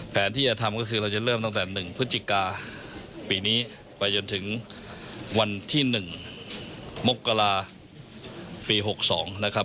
แผนที่จะทำก็คือเราจะเริ่มตั้งแต่๑พฤศจิกาปีนี้ไปจนถึงวันที่๑มกราปี๖๒นะครับ